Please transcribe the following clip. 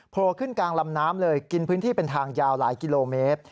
ขึ้นกลางลำน้ำเลยกินพื้นที่เป็นทางยาวหลายกิโลเมตร